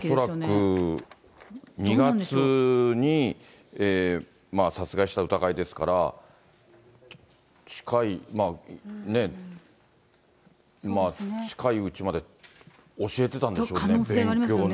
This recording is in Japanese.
恐らく２月に殺害した疑いですから、近い、ね、近いうちまで教えてたんですよね、勉強をね。